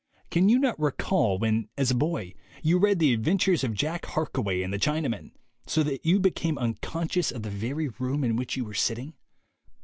Can you not recall, when, as a boy, you read the ad ventures of Jack Harkaway and the Chinamen, so that you became unconscious of the very room in which you were sitting?